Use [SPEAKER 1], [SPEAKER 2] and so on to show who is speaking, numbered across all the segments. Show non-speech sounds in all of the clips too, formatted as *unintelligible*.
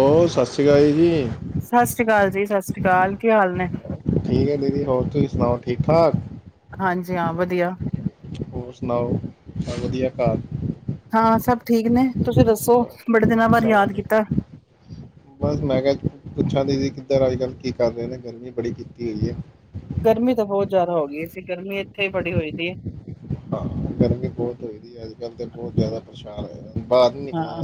[SPEAKER 1] ਓ ਸਤਿ ਸ਼੍ਰੀ ਅਕਾਲ ਜੀ
[SPEAKER 2] ਸਤਿ ਸ਼੍ਰੀ ਅਕਾਲ ਜੀ ਸਤਿ ਸ਼੍ਰੀ ਅਕਾਲ ਕੀ ਹਾਲ ਨੇ
[SPEAKER 1] ਠੀਕ ਹੈ ਦੀਦੀ ਹੋਰ ਤੁਸੀਂ ਸੁਣਾਓ ਠੀਕ ਠਾਕ
[SPEAKER 2] ਹਾਂਜੀ ਹਾਂ ਵਧੀਆ
[SPEAKER 1] ਹੋਰ ਸੁਣਾਓ ਚ ਵਧੀਆ ਘਰ
[SPEAKER 2] ਹਾਂ ਸਭ ਠੀਕ ਨੇ ਤੁਸੀਂ ਦੱਸੋ ਬੜੇ ਦਿਨਾਂ ਬਾਅਦ
[SPEAKER 1] ਛ
[SPEAKER 2] ਯਾਦ ਕੀਤਾ
[SPEAKER 1] ਬਸ ਮੈਂ ਕਿਹਾ ਪੁੱਛਾਂ ਦੀ ਸੀ ਕਿੱਧਰ ਅੱਜ ਕੱਲ੍ਹ ਕੀ ਕਰ ਰਹੇ ਨੇ ਗਰਮੀ ਬੜੀ ਕੀਤੀ ਹੋਈ ਹੈ
[SPEAKER 2] ਗਰਮੀ ਤਾਂ ਬਹੁਤ ਜ਼ਿਆਦਾ ਹੋ ਗਈ ਸੀ ਗਰਮੀ ਇੱਥੇ ਹੀ ਬੜੀ ਹੋਈ ਦੀ ਏ
[SPEAKER 1] ਹਾਂ ਗਰਮੀ ਬਹੁਤ ਹੋਈਦੀ ਹੈ ਅੱਜ ਕੱਲ੍ਹ ਤੇ ਬਹੁਤ ਜ਼ਿਆਦਾ ਪਰੇਸ਼ਾਨ ਹੋਏ
[SPEAKER 2] ਹਾਂ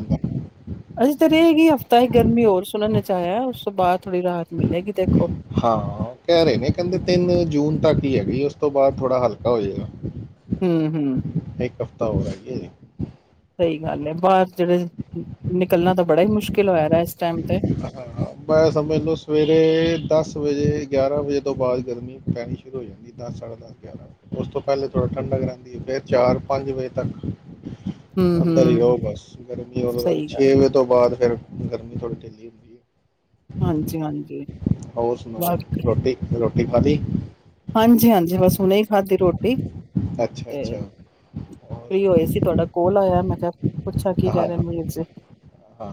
[SPEAKER 2] ਅੱ ਤੇਰੇਗੀ ਹਫ਼ਤਾ ਹੀ ਗਰਮੀ ਹੋਰ ਸੁਣ ਨੇ ਆਆ ਉਸ ਤੋਂ ਬਾਅਦ ਥੋੜੀ ਰਾਹਤ ਮਿਲੇਗੀ ਤੇ
[SPEAKER 1] ਹਾਂ ਕਹਿ ਰਹੇ ਨੇ ਕਹਿੰਦੇ ਤਿੰਨ ਜੂਨ ਤੱਕ ਹੀ ਹੈਗੀ ਉਸ ਉਸ ਤੋਂ ਬਾਅਦ ਥੋੜ੍ਹਾ ਹਲਕਾ ਹੋ ਜਾਏਗਾ
[SPEAKER 2] ਹੂੰ ਹੂੰ
[SPEAKER 1] ਤਾਂ ਹੋਰਗੇ
[SPEAKER 2] ਸਹੀ ਗੱਲ ਹੈ ਬਾਹਰ ਜਿਹੜੇ ਨਿਕਲਣਾ ਤਾਂ ਬੜਾ ਹੀ ਮੁਸ਼ਕਿਲ ਹੋਇਆ ਟਾਈਮ ਤੇ
[SPEAKER 1] ਹਾਂ ਮੈਂ ਸਮਝ ਲੋ ਸਵੇਰੇ ਦਸ ਦਸ ਵਜੇ ਗਿਆਰਾਂ ਵਜੇ ਤੋਂ ਬਾਅਦ ਗਰਮੀ ਪੈਣੀ ਸ਼ੁਰੂ ਹੋ ਜਾਂਦੀ ਦਸ ਸਾਢਾ ਦਸ ਗਿਆਰਾਂ ਵੇ ਉਸ ਤੋਂ ਪਹਿਲੇ ਥੋੜਾ ਠੰਡਕ ਰਹਿੰਦੀ ਫੇਰ ਚਾਰ ਪੰਜ ਵਜੇ ਤੱਕ
[SPEAKER 2] ਹੂੰ
[SPEAKER 1] ਅੰਦਰ ਹੀ
[SPEAKER 2] ਹੂੰ
[SPEAKER 1] ਰਹੋ ਬਸ ਗਰਮੀ ਉਦੋਂ ਤੱਕ
[SPEAKER 2] ਸਹੀ ਗੱਲ
[SPEAKER 1] ਛੇ ਵਜੇ ਤੋਂ ਬਾਅਦ ਫਿਰ ਗਰਮੀ ਥੋੜੀ ਲੀ
[SPEAKER 2] ਹਾਂਜੀ ਹਾਂਜੀ
[SPEAKER 1] ਹੋਰ ਸੁਣਾਓ ਰੋਟੀ, ਰੋ ਲਿਫਾਦੇ
[SPEAKER 2] ਹਾਂਜੀ, ਹਾਂਜੀ ਬਸ ਨੇ ਖਾਧੀ ਰੋਟੀ
[SPEAKER 1] ਅੱਛਾ
[SPEAKER 2] ਤੇ
[SPEAKER 1] ਅੱਛਾ ਹੋਰ
[SPEAKER 2] ਫ੍ਰੀ ਹੋਏ ਸੀ। ਤੁਹਾਡਾ ਕੋਲ ਆਇਆ ਮੈਂ, ਕਿਹਾ ਪੁੱਛਾਂ ਕੀ ਕਹਿ
[SPEAKER 1] ਹਾਂ
[SPEAKER 2] ਰਹੇ ਮਰ ਜੇ
[SPEAKER 1] ਹਾਂ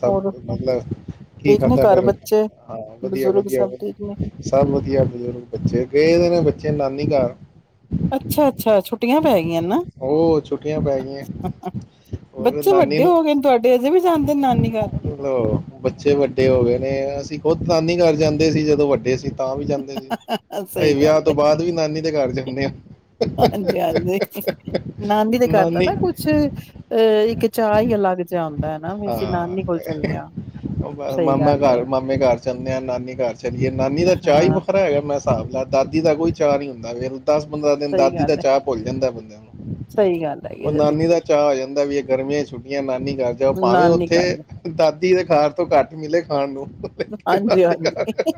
[SPEAKER 1] ਸਭ
[SPEAKER 2] ਹੋਰ
[SPEAKER 1] ਮਤਲਬ ਕੀ
[SPEAKER 2] ਠੀਕ ਨੇ
[SPEAKER 1] ਖਾਧਾ
[SPEAKER 2] ਘਰ
[SPEAKER 1] ਫਿਰ
[SPEAKER 2] ਬੱਚੇ
[SPEAKER 1] ਹਾਂ, ਵਧੀਆ,
[SPEAKER 2] ਬਜ਼ੁਰਗ
[SPEAKER 1] ਵਧੀਆ
[SPEAKER 2] ਸਭ ਠੀਕ ਨੇ
[SPEAKER 1] ਸਭ ਵਧੀਆ ਬੱਚੇ ਗਏਦੇ ਨੇ ਬੱਚੇ ਨਾਨੀ ਘਰ।
[SPEAKER 2] ਅੱਛਾ! ਅੱਛਾ! ਛੁੱਟੀਆਂ ਪੈ ਗਈਆਂ ਨਾ,
[SPEAKER 1] ਉਹ ਛੁੱਟੀਆਂ ਪੈ ਗਈਆਂ ਔਰ
[SPEAKER 2] ਬੱਚੇ
[SPEAKER 1] ਨਾਨੀ
[SPEAKER 2] ਵੱਡੇ
[SPEAKER 1] ਨੂੰ
[SPEAKER 2] ਹੋ ਗਏ। ਤੁਹਾਡੇ ਅਜੇ ਵੀ ਜਾਂਦੇ ਨੇ ਨਾਨੀ ਘਰ।
[SPEAKER 1] ਲੋ ਬੱਚੇ ਵੱਡੇ ਹੋ ਗਏ ਨੇ, ਅਸੀਂ ਖੁਦ ਨਾਨੀ ਕਰ ਜਾਂਦੇ ਸੀ ਜਦੋਂ ਵੱਡੇ ਸੀ। ਤਾਂ ਵੀ ਜਾਂਦੇ ਸੀ।
[SPEAKER 2] ਘਰ
[SPEAKER 1] ਅਜ
[SPEAKER 2] ਸਹੀ
[SPEAKER 1] ਵਿਆਹ,
[SPEAKER 2] ਗੱਲ
[SPEAKER 1] ਤੋਂ
[SPEAKER 2] ਹੈ
[SPEAKER 1] ਬਾਅਦ ਵੀ ਨਾਨੀ ਦੇ ਘਰ ਚ। ਹਦੇ
[SPEAKER 2] ਹਾਂਜੀ, ਹਾਂਜੀ, ਨਾਨੀ ਦੇ ਘਰ ਦਾ ਨਾ ਕੁਛ ਅਹ ਇੱਕ ਚਾਅ ਹੀ ਅਲੱਗ ਜਿਹਾ ਆਉਂਦਾ ਹੈ, ਨਾ ਵੀ ਅਸੀਂ
[SPEAKER 1] ਹਾਂ
[SPEAKER 2] ਨਾਨੀ ਕੋਲ ਚੱਲੇ ਹਾਂ।
[SPEAKER 1] ਬ
[SPEAKER 2] ਸਹੀ
[SPEAKER 1] ਮਾਮਾ
[SPEAKER 2] ਗੱਲ ਹੈ
[SPEAKER 1] ਘਰ, ਮਾਮੇ ਘਰ ਚੱਲਦੇ ਆ, ਨਾਨੀ ਘਰ ਚੱਲੀਏ ਨਾਨੀ ਦਾ ਚਾਹ ਹੀ
[SPEAKER 2] ਹਾਂ
[SPEAKER 1] ਵੱਖਰਾ ਹੈਗਾ ਮੈਂ ਹਿਸਾਬ ਦਾਦੀ ਦਾ ਕੋਈ ਚਾਅ ਨੀ ਹੁੰਦਾ ਵੇ ਦਸ, ਪੰਦਰਾਂ ਦਿਨ
[SPEAKER 2] ਸਹੀ
[SPEAKER 1] ਦਾਦੀ ਦਾ
[SPEAKER 2] ਗੱਲ ਹੈ
[SPEAKER 1] ਚਾਹ ਭੁੱਲ ਜਾਂਦਾ ਬੰਦਿਆਂ ਨੂੰ।
[SPEAKER 2] ਸਹੀ ਗੱਲ ਹੈਗੀ
[SPEAKER 1] ਉਹ ਨਾਨੀ ਦਾ
[SPEAKER 2] ਬਿਲਕੁਲ
[SPEAKER 1] ਚਾਹ ਆ ਜਾਂਦਾ ਵੀ ਇੱਕ ਗਰਮੀਆਂ ਛੱਟੀਆਂ ਨਾਨੀ ਜਾ ਜਾਓ ਭਾਵੇਂ
[SPEAKER 2] ਨਾਨੀ
[SPEAKER 1] ਉੱਥੇ
[SPEAKER 2] ਘਰ
[SPEAKER 1] ਦਾਦੀ ਦੇ ਖਾਣ ਤੋਂ ਘੱਟ ਮਿਲੇ ਖਾਣ ਨੂੰ ਲੇਕਿਨ
[SPEAKER 2] ਹਾਂਜੀ,
[SPEAKER 1] ਨਾਨੀ ਘਰ
[SPEAKER 2] ਹਾਂਜੀ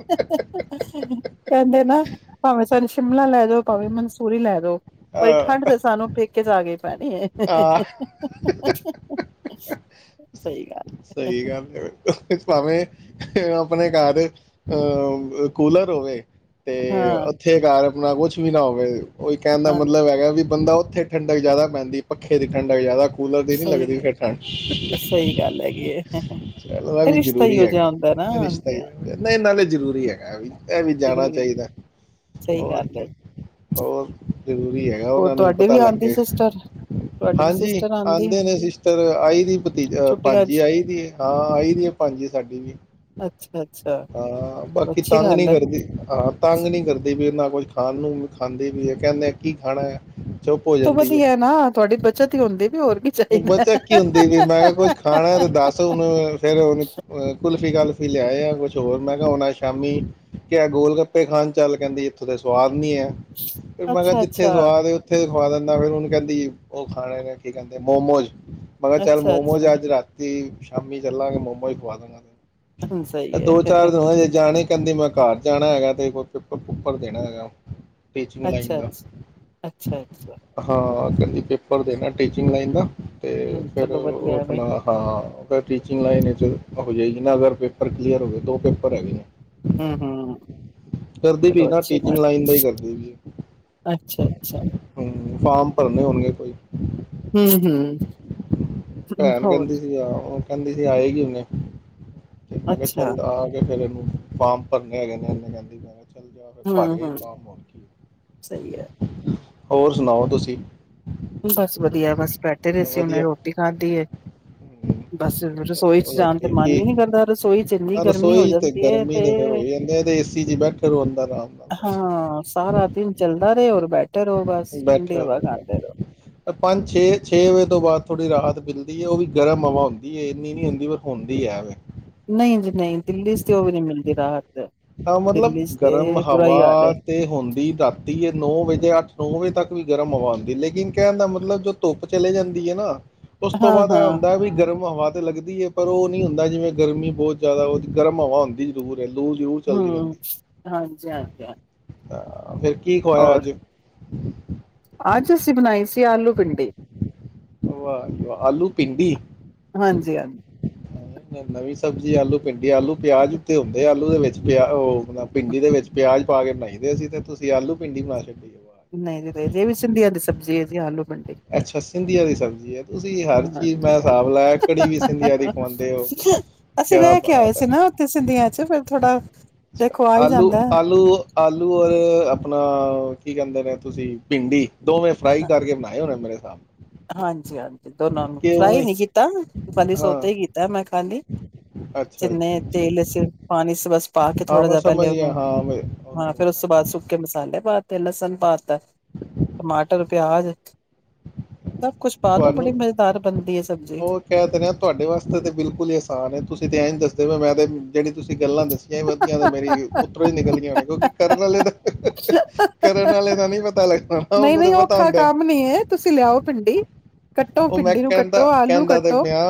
[SPEAKER 2] ਕਹਿੰਦੇ ਨਾ ਭਾਵੇਂ ਸਾਨ ਸ਼ਿਮਲਾ ਭਾਂਵੇ ਮਨਸੂਰੀ ਲੈ ਦੋ ਪਰ ਠੰਢ
[SPEAKER 1] ਹਾਂ
[SPEAKER 2] ਤੇ ਸਾਨੂੰ ਪੇਕੇ ਜਾ
[SPEAKER 1] ਹਾਂ
[SPEAKER 2] ਪਰੜ *unintelligible*
[SPEAKER 1] ਸਹੀ ਗੱਲ ਹੈ, ਭਾਵੇਂ ਆਪਣੇ ਘਰ ਅਹ ਕੂਲਰ ਹੋਵੇ। ਤੇ
[SPEAKER 2] ਹਾਂ
[SPEAKER 1] ਉੱਥੇ ਕਰ ਨਾ ਕੁਛ ਵੀ ਨਾ ਹੋਵੇ ਉਹੀ ਕਹਿਣ ਦਾ
[SPEAKER 2] ਹਾਂ
[SPEAKER 1] ਮਤਲਬ ਹੈਗਾ ਵੀ ਬੰਦਾ ਉੱਥੇ ਠੰਡਕ ਜ਼ਿਆਦਾ ਪੈਂਦੀ ਪੱਖੇ ਦੀ ਠੰਡਕ ਜ਼ਿਆਦਾ ਕੂਲਰ ਦੀ ਨੀ ਲੱਗਦੀ ਫਿਰ ਠੰਡ
[SPEAKER 2] ਲ
[SPEAKER 1] ਚਲੋ ਇਹ ਵੀ ਜ਼ਰੂਰੀ ਹੈਗਾ, ਰਿਸ਼ਤਾ ਹੀ
[SPEAKER 2] ਹਾਂ,
[SPEAKER 1] ਨਹੀਂ ਨਾਲੇ ਜ਼ਰੂ ਜ਼ਰੂਰੀ ਹੈਗਾ ਐ ਵੀ। ਇਹ ਵੀ ਜਾਣਾ
[SPEAKER 2] ਜ਼ਰੂਰੀ
[SPEAKER 1] ਚਾਹੀਦਾ,
[SPEAKER 2] ਸਹੀ
[SPEAKER 1] ਹੋਰ
[SPEAKER 2] ਗੱਲ ਹੈ
[SPEAKER 1] ਕੀ ਹੋਰ। ਜ਼ਰੂਰੀ ਹੈਗਾ
[SPEAKER 2] ਹੋਰ
[SPEAKER 1] ਉਹਨਾਂ ਨੂੰ ਵੀ
[SPEAKER 2] ਤੁਹਾਡੇ
[SPEAKER 1] ਪਤਾ
[SPEAKER 2] ਆਉਂਦੀ
[SPEAKER 1] ਲੱਗੇ
[SPEAKER 2] ਸਿਸਟਰ ਤੁਹਾਡੇ ਵੀ
[SPEAKER 1] ਹਾਂਜੀ
[SPEAKER 2] ਸਿਸਟਰ ਆਉਂਦੀ
[SPEAKER 1] ਆਉਂਦੇ ਨੇ ਸਿਸਟਰ ਆਈ ਦੀ ਭਤੀਜਾ
[SPEAKER 2] ਛੁੱਟੀਆਂ
[SPEAKER 1] ਭਾਣਜੀ
[SPEAKER 2] ਚ
[SPEAKER 1] ਆਈ ਦੀ ਹਾਂ ਆਈ ਦੀ ਆ ਭਾਣਜੀ ਸਾਡੀ ਵੀ।
[SPEAKER 2] ਅੱਛਾ ਅੱਛਾ
[SPEAKER 1] ਹਾਂ ਬਾਕੀ
[SPEAKER 2] ਅੱਛੀ
[SPEAKER 1] ਤੰਗ
[SPEAKER 2] ਗੱਲ ਹੈ
[SPEAKER 1] ਨੀ ਕਰਦੀ ਹਾਂ ਤੰਗ ਨਹੀਂ ਕਰਦੀ ਵੀਨਾਂ। ਕੁਝ ਖਾਣ ਨੂੰ ਵੀ ਖਾਂਦੇ ਵੀ ਹੈ, ਕਹਿੰਦੇ ਆ ਕੀ ਖਾਣਾ ਹੈ। ਚੁੱਪ ਹੋ
[SPEAKER 2] ਤੋਂ
[SPEAKER 1] ਜਾਂਦੀ ਹੈ,
[SPEAKER 2] ਵਧੀਆ ਨਾ ਤੁਹਾਡੀ ਬੱਚਤ ਹੀ ਹੁੰਦੀ ਵੀ ਹੋਰ ਕੀ ਚਾਹੀਦਾ।
[SPEAKER 1] ਬੱਚਾ ਕੀ ਹੁੰਦੀ ਵੀ ਮੈਂ ਕਿਹਾ ਕੁਛ ਖਾਣਾ ਤੇ ਦੱਸ ਉਹਨੂੰ ਫੇਰ ਉਹਨੂੰ ਕੁਲਫ਼ੀ ਗੱਲ ਲਿਆ ਕੁਛ, ਹੋਰ ਮੈ ਕਿਹਾ ਹੁਣ ਸ਼ਾਮੀ ਕਿਆ ਗੋਲ ਗੱਪੇ ਖਾਣ ਚੱਲ ਕਹਿੰਦੀ ਇੱਥੋਂ ਦੇ ਸਵਾਦ ਨੀ ਹੈ। ਫਿਰ ਮੈਂ ਕਿਹਾ
[SPEAKER 2] ਅੱਛਾ,
[SPEAKER 1] ਜਿੱਥੇ
[SPEAKER 2] ਅੱਛਾ,
[SPEAKER 1] ਸਵਾ ਦੇ ਉੱਥੇ ਖਵਾ ਦਿੰਦਾ ਫਿਰ ਉਹਨੂੰ ਕਹਿੰਦੀ ਉਹ ਖਾਣੇ ਨੇ ਕੀ ਕਹਿੰਦੇ ਮੋਮੋਜ, ਮਹਾ ਚੱਲ
[SPEAKER 2] ਅੱਛਾ,
[SPEAKER 1] ਮੋਮੋਜ
[SPEAKER 2] ਅੱਛਾ
[SPEAKER 1] ਆਜ ਰਾਤੀ ਸ਼ਾਮੀ ਚੱਲਾਂਗੇ ਮੋਮੋਜ ਖਵਾ ਦਾਂਗਾ।
[SPEAKER 2] ਹੂੰ
[SPEAKER 1] ਇਹ
[SPEAKER 2] ਸਹੀ ਹੈ
[SPEAKER 1] ਦੋ ਚਾਰ ਦਿਨ ਹੋ ਜੇ ਜਾਣੇ ਹੀ ਕਦੀ ਮੈਂ ਘਰ ਜਾਣਾ ਹੈਗਾ ਤੇ ਕੋਈ ਪੇਪਰ ਪੂਪਰ ਦੇਣਾ ਹੈਗਾ। ਟੀਚਿੰਗ ਲਾਈਨ
[SPEAKER 2] ਅੱਛਾ,
[SPEAKER 1] ਦਾ,
[SPEAKER 2] ਅੱਛਾ, ਅੱਛਾ, ਅੱਛਾ
[SPEAKER 1] ਹਾਂ। ਕਹਿੰਦੀ ਪੇਪਰ ਦੇਣਾ ਟੀਚਿੰਗ ਲਾਈਨ ਦਾ, ਅਤੇ
[SPEAKER 2] ਹੂੰ
[SPEAKER 1] ਫਿਰ
[SPEAKER 2] ਚਲੋ
[SPEAKER 1] ਉਹ
[SPEAKER 2] ਵਧੀਆ ਐਵੇਂ
[SPEAKER 1] ਆਪਣਾ ਹਾਂ ਫਿਰ ਟੀਚਿੰਗ ਲਾਈਨ ਵਿੱਚ ਉਹਜਏ *unintelligible* ਅਗਰ ਪੇਪਰ। ਕਲੀਅਰ ਹੋ ਗਏ ਦੋ ਪੇਪਰ ਹੈਗੇ ਨੇ।
[SPEAKER 2] ਹੂੰ, ਹੂੰ
[SPEAKER 1] ਕਰਦੀ ਪਈ
[SPEAKER 2] ਚਲੋ
[SPEAKER 1] ਨਾ
[SPEAKER 2] ਅੱਛੀ
[SPEAKER 1] ਟੀਚਿੰਗ
[SPEAKER 2] ਗੱਲ ਹੈ।
[SPEAKER 1] ਲਾਈਨ ਦਾ ਹੀ ਕਰਦੀ ਪਈ
[SPEAKER 2] ਅੱਛਾ, ਅੱਛਾ
[SPEAKER 1] ਹੂੰ, ਫਾਰਮ ਭਰਨੇ ਹੋਣਗੇ ਕੋਈ
[SPEAKER 2] ਹੂੰ, ਹੂੰ
[SPEAKER 1] ਭੈਣ
[SPEAKER 2] ਹੋਰ
[SPEAKER 1] ਕਹਿੰਦੀ ਸੀ ਉਹ ਕਹਿੰਦੀ ਸੀ ਆਏਗੀ ਨੇ ਤੇ ਮੈਂ ਕਿਹਾ,
[SPEAKER 2] ਅੱਛਾ
[SPEAKER 1] ਚੱਲ ਆ ਕੇ ਫੇਲੇ, ਫਾਰਮ ਭਰਨੇ ਹੈਗੇ ਨੇ ਇੰਨ
[SPEAKER 2] ਹੂੰ, ਹੂੰ
[SPEAKER 1] *unintelligible*
[SPEAKER 2] ਸਹੀ ਹੈ
[SPEAKER 1] *unintelligible* ਹੋਰ ਸੁਣਾਓ ਤੁਸੀਂ।
[SPEAKER 2] ਬਸ ਵਧੀਆ ਬਸ ਬੈਠੇ ਰਹੇ ਸੀ, ਉਹਨੇ
[SPEAKER 1] ਵਧੀਆ
[SPEAKER 2] ਰੋਟੀ ਖਾਧੀ ਹੈ,
[SPEAKER 1] ਹੂੰ।
[SPEAKER 2] ਬਸ ਰਸੋਈ ਚ ਜਾਣ ਤੇ
[SPEAKER 1] ਰੋਟੀ
[SPEAKER 2] ਮਨ ਹੀ
[SPEAKER 1] ਠੀਕ
[SPEAKER 2] ਨੀ ਕਰਦਾ ਰਸੋਈ ਚ ਇੰਨੀ
[SPEAKER 1] ਆਹ
[SPEAKER 2] ਗਰਮੀ ਹੋ
[SPEAKER 1] ਰਸੋਈ ਤੇ
[SPEAKER 2] ਜਾਂਦੀ ਹੈ
[SPEAKER 1] ਗਰਮੀ
[SPEAKER 2] ਤੇ,
[SPEAKER 1] ਦੇ ਫੇਰ ਹੋਈ ਜਾਂਦੇ ਤੇ ਏਸੀ ਚ ਬੈਠੇ ਰਹੋ ਅੰਦਰ ਆਰਾਮ ਨਾਲ ਬਸ
[SPEAKER 2] ਹਾਂ ਸਾਰਾ ਦਿਨ ਚੱਲਦਾ ਰਹੇ ਹੋਰ ਬੈਠੇ ਰਹੋ ਬਸ
[SPEAKER 1] ਬੈਠੇ
[SPEAKER 2] ਠੰਡੀ ਹਵਾ
[SPEAKER 1] ਰਹੋ
[SPEAKER 2] ਖਾਂਦੇ
[SPEAKER 1] ਬੈਠੇ।
[SPEAKER 2] ਰਹੋ।
[SPEAKER 1] ਪੰਜ ਛੇ ਛੇ ਵਜੇ ਤੋਂ ਬਾਅਦ ਥੋੜ੍ਹੀ ਰਾਹਤ ਮਿਲਦੀ ਹੈ ਉਹ ਵੀ ਗਰਮ ਹਵਾ ਹੁੰਦੀ ਹੈ ਇੰਨੀ ਨੀ ਹੁੰਦੀ ਪਰ ਹੁੰਦੀ ਹੈ।
[SPEAKER 2] ਨਹੀਂ ਜੀ ਨਹੀਂ ਦਿੱਲੀ ਚ ਤੇ ਉਹ ਵੀ ਨੀ ਮਿਲਦੀ ਰਾਹਤ,
[SPEAKER 1] ਤਾਂ ਮਤਲਬ
[SPEAKER 2] ਦਿੱਲੀ ਚ
[SPEAKER 1] ਗਰਮ
[SPEAKER 2] ਤੇ ਬੁਰਾਈ ਹਾਲ
[SPEAKER 1] ਹਵਾ ਤੇ ਹੁੰਦੀ ਰਾਤੀ ਹੈ ਨੌ ਵਜੇ ਅੱਠ ਨੌ ਵਜੇ ਤੱਕ ਵੀ ਗਰਮ ਹਵਾ ਆਉਂਦੀ ਲੇਕਿਨ ਕਹਿਣ ਦਾ ਮਤਲਬ ਜੋ ਧੁੱਪ ਚਲੇ ਜਾਂਦੀ ਹੈ ਨਾ। ਉਸ ਤੋਂ
[SPEAKER 2] ਹਾਂ
[SPEAKER 1] ਬਾਅਦ ਇਹ
[SPEAKER 2] ਹਾਂ
[SPEAKER 1] ਹੁੰਦਾ ਹੈ ਵੀ ਗਰਮ ਹਵਾ ਤੇ ਲੱਗਦੀ ਹੈ ਪਰ ਉਹ ਨੀ ਹੁੰਦਾ ਜਿਵੇਂ ਗਰਮੀ ਬਹੁਤ ਜ਼ਿਆਦਾ ਉਹ ਗਰਮ ਹਵਾ ਹੁੰਦੀ ਜ਼ਰੂਰ ਹੈ ਲੂ ਜ਼ਰੂਰ ਚੱਲਦੀ
[SPEAKER 2] ਹਮ, ਹਾਂਜੀ -ਹਾਂਜੀ, ਹ
[SPEAKER 1] ਤਾਂ ਫਿਰ ਕੀ ਖਵਿਆ ਅੱਜ ਹਮ,
[SPEAKER 2] ਅੱਜ, ਅਸੀਂ ਬਣਾਈ ਸੀ। ਆਲੂ ਭਿੰਡੀ
[SPEAKER 1] ਆਲੂ, ਭਿੰਡੀ
[SPEAKER 2] ਹਾਂਜੀ ਹਾਂਜੀ।
[SPEAKER 1] ਨਵੀਂ ਸਬਜ਼ੀ ਆਲੂ- ਭਿੰਡੀ, ਆਲੂ- ਪਿਆਜ ਉੱਤੇ ਹੁੰਦੇ ਆਲੂ ਦੇ ਵਿੱਚ ਪਿਆ ਉਹ ਭਿੰਡੀ ਦੇ ਵਿੱਚ ਪਿਆਜ਼ ਪਾ ਕੇ ਬਣਾਈਦੇ ਸੀਂ ਤੇ ਤੁਸੀਂ ਆਲੂ, ਭਿੰਡੀ ਬਣਾ ਦਿਤੇ।
[SPEAKER 2] ਨਹੀਂ, ਨਹੀਂ ਜੇ ਵੀ ਸਿੰਧੀਆਂ ਦੀ ਸਬਜ਼ੀ ਹੈ ਜ ਆਲੂ- ਭਿੰਡੀ।
[SPEAKER 1] ਅੱਛਾ, ਸਿੰਧੀਆਂ ਦੀ ਸਬਜ਼ੀ ਹੈ। ਤੁਸੀਂ ਹਰ ਚੀਜ਼
[SPEAKER 2] ਹਾਂਜੀ।
[SPEAKER 1] ਮੈਂ ਹਿਸਾਬ ਲਾਇਆ ਕੜੀ ਵੀ ਸਿੰਧੀਆਂ ਦੀ ਖਵਾਉਂਦੇ ਹੋ।
[SPEAKER 2] ਅਸੀਂ
[SPEAKER 1] ਕਿਆ
[SPEAKER 2] ਰਹਿ ਕੇ ਆਏ
[SPEAKER 1] ਬਾਤ
[SPEAKER 2] ਸੀ
[SPEAKER 1] ਹੈ,
[SPEAKER 2] ਨਾ ਉੱਥੇ ਸਿੰਧੀਆਂ ਚ ਫਿਰ ਥੋੜਾ
[SPEAKER 1] ਅੱਛਾ
[SPEAKER 2] ਦੇਖੋ ਆ ਹੀ
[SPEAKER 1] ਆਲੂ-
[SPEAKER 2] ਜਾਂਦਾ।
[SPEAKER 1] ਆਲੂ- ਆਲੂ ਔਰ ਆਪਣਾ ਕੀ ਕਹਿੰਦੇ ਨੇ ਤੁਸੀਂ ਭਿੰਡੀ ਦੋਵੇਂ ਫਰਾਈ
[SPEAKER 2] ਹੈ।
[SPEAKER 1] ਕਰਕੇ ਬਣਾ। *unintelligible*
[SPEAKER 2] ਹਾਂਜੀ -ਹਾਂਜੀ, ਦੋਨਾਂ ਨੂੰ ਫਰਾਈ
[SPEAKER 1] ਉਵੇਂ
[SPEAKER 2] ਨੀ
[SPEAKER 1] ਹੀ?
[SPEAKER 2] ਕੀਤਾ ਖਾਲੀ
[SPEAKER 1] ਹਾਂ
[SPEAKER 2] ਸੋਤੇ ਹੀ ਕੀਤਾ ਮੈਂ ਖਾਲੀ,
[SPEAKER 1] ਅੱਛਾ ਅੱਛਾ
[SPEAKER 2] ਜਿੰਨੇ
[SPEAKER 1] ਅੱਛਾ
[SPEAKER 2] ਤੇਲ ਚ ਪਾਣੀ ਬਸ ਪਾ ਕੇ
[SPEAKER 1] ਹਾਂ
[SPEAKER 2] ਥੋੜਾ
[SPEAKER 1] ਮੈਂ
[SPEAKER 2] ਜਹਾ ਪਹਿਲੇ
[SPEAKER 1] ਸਮਝ ਗਿਆ
[SPEAKER 2] ਉਹਨੂੰ
[SPEAKER 1] ਹਾਂ ਮੈਂ
[SPEAKER 2] ਹਾਂ
[SPEAKER 1] ਉਹਨੂੰ
[SPEAKER 2] ਫੇਿਰ ਉਸ ਤੋਂ ਬਾਅਦ ਸੁੱਕੇ ਮਸਾਲੇ ਪਾ ਤੇ ਲਸਨ ਪਾ ਤ ਟਮਾਟਰ, ਪਿਆਜ ਸਭ ਕੁਛ ਪਾ ਦੋ ਬੜੀ
[SPEAKER 1] ਤੁਹਾਨੂੰ,
[SPEAKER 2] ਮਜ਼ੇਦਾਰ ਬਣਦੀ ਹੈ ਸਬਜ਼ੀ
[SPEAKER 1] ਉਹ ਕਹਿ ਤੇ ਰਿਹਾ ਤੁਹਾਡੇ ਵਾਸਤੇ ਤਾਂ ਬਿਲਕੁਲ ਹੀ ਆਸਾਨ ਤੁਸੀਂ ਤੇ ਐਂ ਦੱਸ ਮੈਂ ਜਿਹਣੀੀ ਤੁਸੀਂ *unintelligible* ਗੱਲਾਂ ਦੱਸੀਆਂ ਹੀ ਵਧਿਆ ਤੇ ਮੇਰੀ ਉੱਤਰੋਂ ਹੀ ਨਿਕਲੀਆਂ ਨੇ ਕਿਉਂਕਿ ਕਰਨ ਵਾਲੇ ਦਾ ਕਰਨ ਵਾਲੇ ਦਾ ਨਹੀਂ ਪਤਾ ਲੱਗਦਾ।
[SPEAKER 2] ਨਹੀਂ
[SPEAKER 1] ਉਹਨੂੰ ਤਾਂ
[SPEAKER 2] ਨਹੀਂ
[SPEAKER 1] ਪਤਾ
[SPEAKER 2] ਔਖਾ
[SPEAKER 1] ਹੁੰਦਾ।
[SPEAKER 2] ਕੰਮ ਨੀ ਹੈ ਤੁਸੀਂ ਲਿਆਓ ਭਿੰਡੀ ਕੱਟੋ
[SPEAKER 1] ਉਹ ਮੈਂ
[SPEAKER 2] ਭਿੰਡੀ ਨੂੰ
[SPEAKER 1] ਕਹਿੰਦਾ
[SPEAKER 2] ਕੱਟੋ ਆਲੂ
[SPEAKER 1] -ਕਹਿੰਦਾ ਤੇ
[SPEAKER 2] ਕੱਟੋ
[SPEAKER 1] ਪਿਆ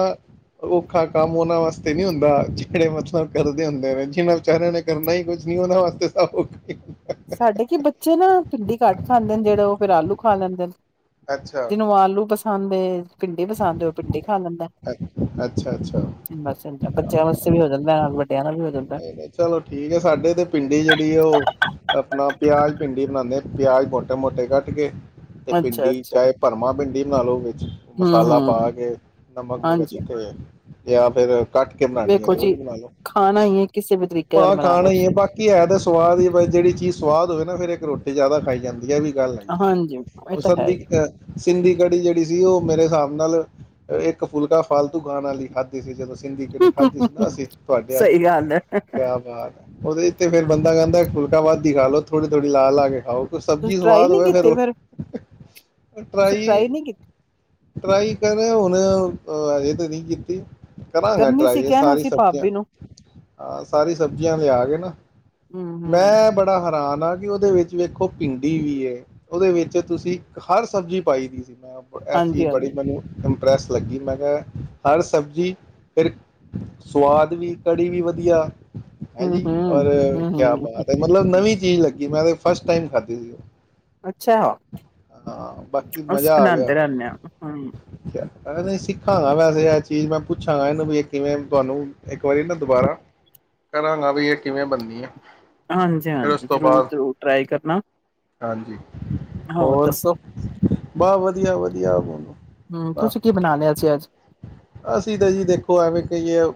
[SPEAKER 1] ਔਖਾ ਕੰਮ ਉਹਨਾਂ ਵਾਸਤੇ ਨ ਹੁੰਦਾ। ਜਿਹੜੇ ਮਤਲਬ ਕਰਦੇ ਹੁੰਦੇ ਨੇ ਜਿਨਾਂ ਵਿਚਾਰਿਆਂ ਨੇ ਕਰਨਾ ਹੀ ਕੁੱਝ ਨੀ ਉਹਨਾਂ ਵਾਸਤੇ ਸਭ
[SPEAKER 2] ਸਾਡੇ ਕੀ ਬੱਚੇ ਨਾ ਭਿੰਡੀ ਘੱਟ ਖਾਂਦੇ ਨੇ ਜਿਹੜੇ ਉਹ ਫੇਿਰ ਆਲੂ ਖਾ ਲੈਂਦੇ ਨੇ।
[SPEAKER 1] ਅੱਛਾ
[SPEAKER 2] ਜਿਨੂੰ ਆਲੂ ਪਸੰਦ ਥਾਂ ਦੇ ਪਿੰਡ ਪਸੰਦ ਹੋ ਡਿੰਡੀ ਖਾ ਲੈਂਦਾ।
[SPEAKER 1] ਅੱਛਾ ਅੱਛਾ
[SPEAKER 2] ਹ
[SPEAKER 1] ਅੱਛਾ
[SPEAKER 2] ਬਸ ਬੱਚਿਆਂ ਵ ਵੀ ਹੋ ਜਾਂਦਾ। ਦਾ ਵੀ ਹੋ ਜਾਂਦਾ
[SPEAKER 1] ਨਹੀਂ, ਨਹੀਂ ਚਲੋ ਠੀਕ ਹੈ ਸਾਡੇ ਤੇ ਪਿੰਡੀ ਜਿਹੜੀ ਆ ਉਹ ਆਪਣਾ ਪਿਆਜ, ਭਿੰਡੀ ਬਣਾਉਂਦੇ ਪਿਆਜ ਮੋਟੇ- ਮੋਟੇ ਕੱਟ ਕੇ ਤੇ ਭਿੰਡੀ
[SPEAKER 2] ਅੱਛਾ-ਅੱਛਾ,
[SPEAKER 1] ਚਾਹੇ ਭਰਵਾਂ ਭਿੰਡੀ। ਬਨਨਾ ਲੋ ਹੋ। ਮਸਾਲਾ ਪਾ
[SPEAKER 2] ਹੂੰ-ਹੂੰ,
[SPEAKER 1] ਕੇ ਨਮਕ -ਮਿਰਚ
[SPEAKER 2] ਹਾਂਜੀ
[SPEAKER 1] ਤੇ ਜਾਂ ਫਿਰ ਕੱਟ ਕੇ ਬਣਾਉਣੀ ਹੈ
[SPEAKER 2] ਵੇਖੋ
[SPEAKER 1] ਤੇ ਉਹ
[SPEAKER 2] ਜੀ
[SPEAKER 1] ਜ ਬਣਾ ਲੋ।
[SPEAKER 2] ਖਾਣਾ ਹੀ ਹੈ ਕਿਸੇ ਵੀ ਤਰੀਕੇ ਨਾਲ
[SPEAKER 1] ਭਾਂ
[SPEAKER 2] ਬਣਾ
[SPEAKER 1] ਖਾਣਾ
[SPEAKER 2] ਲਓ
[SPEAKER 1] ਹੀ ਹੈ
[SPEAKER 2] ਤੁਸੀਂ,
[SPEAKER 1] ਬਾਕੀ ਹੈ ਤੇ ਸਵਾਦ ਹੀ ਜਿਹੜੀ ਚੀਜ਼ ਸਵਾਦ ਹੋਵੇ। ਨਾ ਫਿਰ ਇੱਕ ਰੋਟੀ ਜਿਆਦਾ ਖਾਈ ਜਾਂਦੀ ਨਾ ਆਹ ਵੀ ਗੱਲ ਹੈ,
[SPEAKER 2] ਹਾਂਜੀ ਇਹ
[SPEAKER 1] ਉਹ
[SPEAKER 2] ਤਾਂ ਹੈ
[SPEAKER 1] ਸੰਧੀ
[SPEAKER 2] ਹੀ।
[SPEAKER 1] ਅਹ ਸਿੰਧੀ ਕੜੀ ਜਿਹੜੀ ਸੀ ਉਹ ਮੇਰੇ ਹਿਸਾਬ ਨਾਲ ਇੱਕ ਫੁਲਕਾ ਫਾਲਤੂ ਗਾਣ ਵਾਲੀ ਖਾਧੀ ਸੀ ਜਦੋਂ ਸਿੰਧੀ ਕੜੀ ਖਾਧੀ ਸੀ
[SPEAKER 2] ਆ।
[SPEAKER 1] ਨਾ ਅਸੀਂ ਤੁਹਾਡੇ ਹੱਥ
[SPEAKER 2] ਸਹੀ
[SPEAKER 1] ਦੀ
[SPEAKER 2] ਗੱਲ ਹੈ,
[SPEAKER 1] ਕਿਆ ਬਾਤ ਉਹਦੇ ਤੇ ਫ਼ਿਰ ਬੰਦਾ ਕਹਿੰਦਾ ਫੁਲਕਾ ਵੱਧ ਈ ਖਾਲੋ ਥੋੜੀ- ਥੋੜ੍ਹੀ ਲਾ ਲਾ ਕੇ ਖਾਓ। ਕੋ
[SPEAKER 2] ਤੁਸੀਂ
[SPEAKER 1] ਸਬਜ਼ੀ
[SPEAKER 2] ਟਰਾਈ
[SPEAKER 1] ਸਵਾਦ
[SPEAKER 2] ਨੀ
[SPEAKER 1] ਹੋਵੇ, ਫਿਰ
[SPEAKER 2] ਕੀਤੀ
[SPEAKER 1] ਉਹ
[SPEAKER 2] ਫੇਰ? ਤੁਸੀਂ ਟਰਾਈ ਨੀ ਕੀਤੀ,
[SPEAKER 1] ਟਰਾਈ-ਟਰਾਈ ਕਰੇ ਹੁਣ ਅਜੇ ਤਾਂ ਨ ਕੀਤੀ। ਕਰਾਂਗਾ
[SPEAKER 2] ਕਰਨੀ ਸੀ
[SPEAKER 1] ਟਰਾਈ ਇਹ
[SPEAKER 2] ਕਹਿਣਾ
[SPEAKER 1] ਸਾਰੀ
[SPEAKER 2] ਸੀ
[SPEAKER 1] ਸਬਜ਼ੀਆਂ
[SPEAKER 2] ਭਾਬੀ ਨੂੰ
[SPEAKER 1] ਹਾਂ ਸਾਰੀ ਸਬਜ਼ੀਆਂ ਲਿਆ ਗਏ ਨਾ
[SPEAKER 2] ਹੂੰ-ਹੂੰ।
[SPEAKER 1] ਮੈਂ ਬੜਾ ਹੈਰਾਨ ਆ ਕਿ ਉਹਦੇ ਵਿੱਚ ਵੇਖੋ ਭਿੰਡੀ ਵੀ ਐ ਉਹਦੇ ਵਿੱਚ ਤੁਸੀਂ ਹਰ ਸਬਜ਼ੀ ਪਾਈ ਦੀ ਮੈਂ ਇਸ ਚੀਜ਼
[SPEAKER 2] ਹਾਂਜੀ-ਹਾਂਜੀ,
[SPEAKER 1] ਬੜੀ ਮੈਨੂੰ ਪ੍ਰੈਸ ਲੱਗੀ ਮੈਂ ਕਿਹਾ ਹਰ ਸ਼ਬਜੀ ਮੇੇਰੇ ਸੁਆਦ ਵੀ ਕੜ੍ਹੀ ਵੀ ਵਧੀ ਵਧੀਆ ਹੈਂ ਜੀ
[SPEAKER 2] ਹੂੰ-ਹੂੰ,
[SPEAKER 1] ਔਰ ਕਿਆ
[SPEAKER 2] ਹੂੰ-ਹੂੰ।
[SPEAKER 1] ਬਾਤ ਹੈ, ਮਤਲਬ ਨਵੀਂ ਚੀਜ਼ ਲੱਗੀ ਮੈਂ ਤੇ ਫਸਟ ਟਾਈਮ ਖਾਧੀ ਸੀ।
[SPEAKER 2] ਅੱਛਾ,
[SPEAKER 1] ਹਾਂ ਬਾਕੀ
[SPEAKER 2] ਅਸੀ
[SPEAKER 1] ਮਜ਼ਾ ਆ ਗਿਆ
[SPEAKER 2] ਬਣਾਂਦੇ ਰਹਿਣੇ ਆ ਹੂੰ
[SPEAKER 1] ਕਿਆ- ਮੈਂ ਨਹੀਂ ਸਿੱਖਾਂਗਾ ਵੈਸੇ ਇਹ ਚੀਜ਼ ਮੈਂ ਪੁੱਛਾਂਗਾ, ਇਹਨੂੰ ਵੀ ਕਿਵੇਂ ਬਣੂ ਇੱਕ ਵਾਰੀ ਨਾ ਦੁਬਾਰਾ। ਕਰਾਂਗਾ ਵੀ ਇਹ ਕਿਵੇਂ ਬਣਦੀ ਐ।
[SPEAKER 2] ਹਾਂਜੀ- ਹਾਂਜੀ, ਜ਼ਰੂਰ- ਜ਼ਰੂਰ ਟਰਾਈ ਕਰਨਾ
[SPEAKER 1] ਹਾਂਜੀ
[SPEAKER 2] ਹੋਰ ਦੱਸੋ
[SPEAKER 1] ਵਧੀਆ-ਵਧੀਆ ਹੁਣ ਨੂੰ
[SPEAKER 2] ਹੂੰ, ਤੁਸੀਂ ਕੀ ਬਣਾ ਲਿਆ ਸੀ ਅੱਜ?
[SPEAKER 1] ਆਾਹ ਅਸੀਂ ਤਾਂ ਜੀ ਦੇਖੋ ਐਵੇਂ ਕਹੀਏ ਆਂ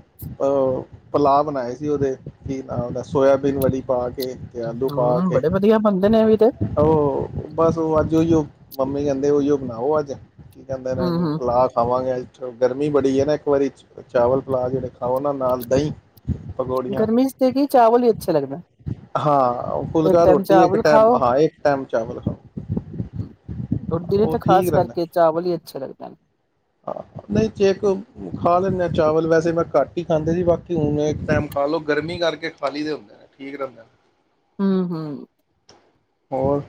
[SPEAKER 1] ਪਲਾਅ ਬਣਾਏ ਸੀ ਉਹਦੇ ਕੀ ਨਾ ਉਹਦਾ ਸੋਇਆਬੀਨ ਵਲੀ ਪਾ ਕੇ ਤੇ ਆਲੂ ਪਾ
[SPEAKER 2] ਹੂੰ,
[SPEAKER 1] ਕੇ
[SPEAKER 2] ਬੜੇ ਵਧੀਆ ਬਣਦੇ ਨੇ ਇਹ ਵੀ ਤੇ,
[SPEAKER 1] ਉਹ ਬਸ ਉਹ ਅਜ ਓਹੀਓ ਮੰਮੀ ਕਹਿੰਦੇ ਉਹੀਓ ਬਣਾਓ ਅੱਜ ਕੀ ਕਹਿੰਦੇ ਇਹਨੂੰ
[SPEAKER 2] ਹੂੰ-ਹੂੰ।
[SPEAKER 1] ਪਲਾਅ ਖਾਵਾਂਗੇ ਅੱਜ ਗਰਮੀ ਬੜੀ ਹੈ ਨਾ ਇੱਕ ਵਾਰੀ ਚਾਵਲ ਪਲਾਅ ਜਿਹੜੇ ਖਾਓ ਨਾ ਨਾਲ ਦਹੀਂ ਪਕੌੜੀਆਂ
[SPEAKER 2] ਗਰਮੀ ਚ ਦੇ ਕੀ ਚਾਵਲ ਹੀ ਅੱਛਾ ਲੱਗਦਾ,
[SPEAKER 1] ਹਾਂ
[SPEAKER 2] ਇੱਕ
[SPEAKER 1] ਫੁਲਕਾ
[SPEAKER 2] ਟਾਈਮ
[SPEAKER 1] ਰੋਟੀ ਇੱਕ
[SPEAKER 2] ਚਾਵਲ
[SPEAKER 1] ਟਾਈਮ
[SPEAKER 2] ਖਾਓ
[SPEAKER 1] ਹਾਂ ਇੱਕ ਟਾਈਮ ਚਾਵਲ ਖਾਓ
[SPEAKER 2] ਰੁਡੀ ਨੇ
[SPEAKER 1] ਉਹ
[SPEAKER 2] ਤਾਂ
[SPEAKER 1] ਠੀਕ
[SPEAKER 2] ਖਾਸ
[SPEAKER 1] ਰਹਿੰਦਾ
[SPEAKER 2] ਕਰਕੇ ਚਾਵਲ ਹੀ ਅੱਛਾ ਰਹਿੰਦਾ।
[SPEAKER 1] ਨਹੀਂ ਕੇਕ ਖਾ ਲੈਂਦੇ ਆ ਚਾਵਲ ਵੈਸੇ ਮੈਂ ਘੱਟ ਹੀ ਖਾਂਦੇ ਸੀ, ਬਾਕੀ ਹੁਣ ਇੱਕ ਟੈਮ ਖਾ ਲਓ ਗਰਮੀ ਕਰਕੇ ਖਾ ਲਈ ਦੇ ਹੁੰਦੇ ਠੀਕ ਰਹਿੰਦਾ।
[SPEAKER 2] ਹੂੰ, ਹੂੰ।
[SPEAKER 1] ਹੋਰ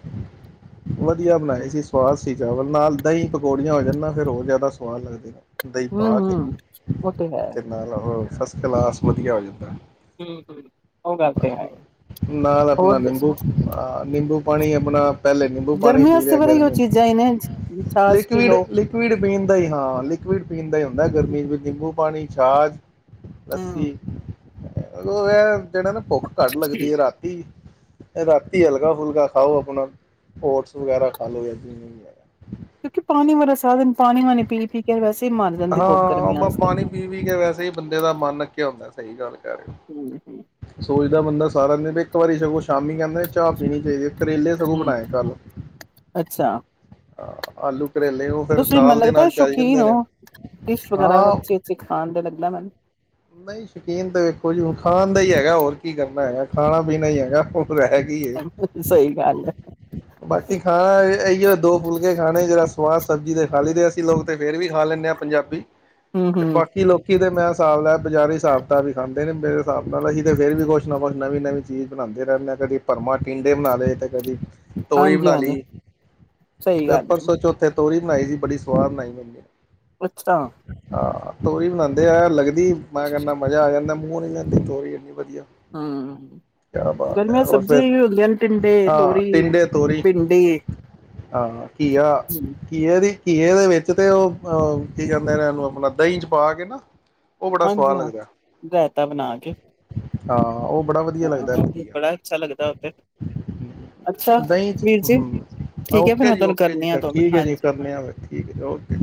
[SPEAKER 1] ਵਧੀਆ ਬਣਾਏ ਸੀ ਸਵਾਦ ਸੀ। ਚਾਵਲ ਨਾਲ ਦਹੀਂ, ਪਕੌੜੀਆਂ ਹੋ ਜਾਣ ਨਾ ਫਿਰ ਉਹ ਜ਼ਿਆਦਾ ਸਵਾਦ ਲੱਗਦੇ ਨੇ। ਦਹੀਂ
[SPEAKER 2] ਹਮ
[SPEAKER 1] ਪਾ ਕੇ
[SPEAKER 2] ਹਮ *inaudible* ਉਹ ਤੇ ਹੈ।
[SPEAKER 1] ਨਾਲ ਉਹ ਫਸਟ ਕਲਾਸ ਵਧੀਆ ਹੋ ਜਾਂਦਾ ਏ।
[SPEAKER 2] ਹਮ ਹਮ *unintelligible*
[SPEAKER 1] ਨਾਲ ਆਪਣਾ ਨਿੰਬੂ ਅਹ ਨਿੰਬੂ ਪਾਣੀ ਆਪਣਾ ਪਹਿਲੇ ਨਿੰਬੂ ਪਾਣੀ ਪੀ ਰਿਹਾ ਗਰਮੀ *inaudible* ਲੀਕੁਈਡ ਲੀਕੁਈਡ ਪੀਣ ਦਾ ਹੀ ਹਾਂ ਲੀਕੁਈਡ ਪੀਣ ਦਾ ਹੀ ਹੁੰਦਾ ਗਰਮੀ ਵਿੱਚ ਨਿੰਬੂ ਪਾਣੀ। ਛਾਜ ਲੱਸੀ ਉਹ *unintelligible* ਜੇੜਾ ਨਾ ਭੁੱਖ ਘਟ ਲੱਗਦੀ ਏ ਰਾਤੀ। ਰਾਤੀ ਹਲਕਾ ਫੁਲਕਾ ਖਾਓ ਅਪਣਾ, ਓਟਸ ਵਗੈਰਾ ਖਾ ਲੋ ਯਾ ਜਿਵੇ ਵੀ ਹੈਗਾ।
[SPEAKER 2] ਕਿਉਂਕਿ ਪਾਣੀ *unintelligible* ਸਾਰਾ ਦਿਨ ਪਾਣੀ ਵਾਣੀ ਪੀ ਪੀ ਕੇ *unintelligible*
[SPEAKER 1] ਹਾਂ ਬਾ ਪਾਣੀ ਪੀ ਪੀ ਕੇ ਵੈਸੇ ਹੀ ਬੰਦੇ ਦਾ ਮਨ ਅਕਿਆ ਹੁੰਦੈ। ਸਹੀ ਗਲ ਏ। *inaudible* ਸੋਲ। ਬੰਦਾ ਸਾਰਾ ਦਿਨ ਇੱਕ ਵਾਰੀ ਸਭ ਕੁਛ ਮੰਮੀ ਕੈੰਦੇ ਚਾਹ ਪੀਣੀ ਚਾਈਦੀ ਏ, ਕਰੇਲੇ ਸਗੋਂ ਬਣਾਏ ਕੱਲ *inaudible* ਅ ਆਲੂ। ਕਰੇਲੇ ਉਹ ਫਿਰ
[SPEAKER 2] ਤੁਸੀਂ
[SPEAKER 1] ਦਾਲ
[SPEAKER 2] ਮੈਨੂੰ
[SPEAKER 1] ਦੇ
[SPEAKER 2] ਲੱਗਦਾ
[SPEAKER 1] ਨਾਲ ਚਲ ਜਾਂਦੇ
[SPEAKER 2] ਹੋ।
[SPEAKER 1] ਨੇ।
[SPEAKER 2] ਡਿਸ਼ ਵਗੈਰਾ
[SPEAKER 1] ਹਾਂ
[SPEAKER 2] ਅਛੀ ਅਛੀ ਖਾਣ ਦੇ ਲਗਦਾ ਮੈਨੂੰ।
[SPEAKER 1] ਨਹੀਂ ਸ਼ੌਕੀਨ ਤੇ ਵੇਖੋ ਜੀ ਹੁਣ ਖਾਣ ਦਾ ਈ ਹੇਗਾ ਹੋਰ ਕੀ ਕਰਨਾ ਹੈ ਖਾਣਾ ਪੀਣਾ ਹੀ ਹੈਗਾ। ਹੈਗੀ ਏ
[SPEAKER 2] ਮੈਨੂੰ। ਸਹੀ ਗੱਲ ਹੈ।
[SPEAKER 1] *unintelligible* ਬਾਕੀ ਖਾਣਾ ਐਈਓ ਦੋ ਫੁਲਕੇ ਖਾਣੇ ਜਰਾ ਸਵਾਸ। ਸਬਜੀ ਤੇ ਖਾ ਲਈ ਦੇ ਅਸੀਂ ਲੋਕ ਤੇ ਫੇਰ ਵੀ ਖਾ ਲੈਂਣੇ ਆਂ ਪੰਜਾਬੀ। ਤੇ ਬਾਕੀ ਲੋਕੀ ਤੇ ਮੈਂ ਸਾਬ ਲਾਇਆ। ਬਜ਼ਾਰੀ ਹਿਸਾਬ ਤਾਬ ਈ ਖਾਂਦੇ ਨੇ ਮੇਰੇ ਸਾਬ ਨਾਲ, ਅਸੀਂ ਤੇ ਫੇਰ ਵੀ ਕੋਛ ਨਾ ਕੋਛ ਨਵੀਂ ਨਵੀਂ ਚੀਜ਼ ਬਣਾਂਦੇ ਰੈੰਦੇ ਆਂ ਕਦੀ ਭਰਮਾਂ ਟੀੰਡੇ ਬਣਾ ਲਏ ਤੇ ਕਦੀ ਤੋਰੀ ਬਣਾ
[SPEAKER 2] ਹਾਂਜੀ-ਹਾਂਜੀ
[SPEAKER 1] ਲਈ
[SPEAKER 2] ਸਹੀ
[SPEAKER 1] *inaudible*
[SPEAKER 2] ਗੱਲ ਐ,
[SPEAKER 1] ਪਰਸੋ ਚੌਥੇ ਤੋਰੀ ਬਣਾਈ ਸੀ ਬੜੀ ਸਵਾਦ ਬਣਾਈ ਮੰਮੀ ਨੇ
[SPEAKER 2] *unintelligible*
[SPEAKER 1] ਹਾਂ ਤੋਰੀ ਬਣਾਂਦੇ ਐ ਲੱਗਦੀ ਮੈ ਕੈਨਾ ਮਜ਼ਾ ਆ ਜਾਂਦਾ *unintelligible* ਮੂਔ ਨੀ ਲੈੰਦੀ ਤੋਰੀ ਇਨੀ ਵਧੀਆ
[SPEAKER 2] ਹੂੰ।
[SPEAKER 1] ਕਿਆ ਬਾਤ, ਐ
[SPEAKER 2] ਗਰਮੀਆਂ
[SPEAKER 1] ਹੋਰ
[SPEAKER 2] ਸਬਜ਼ੀਆਂ
[SPEAKER 1] ਫੇਰ
[SPEAKER 2] ਹੀ ਹੁੰਦੀਆਂ ਨੇ ਟਿੰਡੇ,
[SPEAKER 1] ਹਾਂ
[SPEAKER 2] ਤੋਰੀ,
[SPEAKER 1] ਟਿੰਡੇ ਤੋਰੀ,
[SPEAKER 2] ਭਿੰਡੀ
[SPEAKER 1] ਹਾਂ ਘੀਆ
[SPEAKER 2] ਹੂੰ
[SPEAKER 1] ਘੀਏ ਦੀ ਘੀਏ ਦੇ ਵਿਚ ਤੇ ਔ ਅਹ ਕੀ ਕੈੰਦੇ ਨੇ ਓਨੂੰ ਆਪਣਾ ਦਹੀਂ ਚ ਪਾ ਕੇ ਨਾ ਉਹ ਬੜਾ
[SPEAKER 2] ਹਾਂਜੀ
[SPEAKER 1] ਸਵਾਦ
[SPEAKER 2] ਹਾਂ,
[SPEAKER 1] ਲੱਗਦਾ
[SPEAKER 2] ਰੈਤਾ ਬਣਾ ਕੇ।
[SPEAKER 1] ਹਾਂ ਔ ਬੜਾ ਵਧੀਆ ਲੱਗਦੈ
[SPEAKER 2] ਹਾਂ
[SPEAKER 1] ਘੀਆ,
[SPEAKER 2] ਬੜਾ ਅੱਛਾ ਲੱਗਦਾ ਓ ਤੇ ਅੱਛਾ
[SPEAKER 1] ਦਹੀਂ ਚ
[SPEAKER 2] ਵੀਰ ਜੀ
[SPEAKER 1] ਹੂੰ।
[SPEAKER 2] ਠੀਕ ਐ ਫੇਰ
[SPEAKER 1] ਓਕੇ
[SPEAKER 2] ਮੈਂ
[SPEAKER 1] ਜੀ,
[SPEAKER 2] ਤੁਹਾਨੂੰ
[SPEAKER 1] ਓਕੇ ਜੀ,
[SPEAKER 2] ਕਰਨੀ ਆ
[SPEAKER 1] ਫੇਰ
[SPEAKER 2] ਦੋ ਮਿੰਟ
[SPEAKER 1] ਠੀਕ ਏ
[SPEAKER 2] ਹਾਂਜੀ।
[SPEAKER 1] ਜੀ ਕਰਨੇ ਆਂ ਫੇਰ ਠੀਕ ਐ ਜੀ ਓਕੇ।